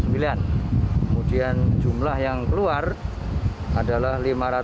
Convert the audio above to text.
kemudian jumlah yang keluar adalah lima ratus empat puluh delapan